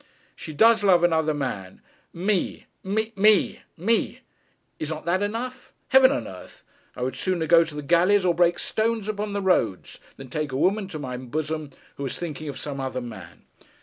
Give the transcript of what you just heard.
She does love another man; me me me. Is not that enough? Heaven and earth! I would sooner go to the galleys, or break stones upon the roads, than take a woman to my bosom who was thinking of some other man.'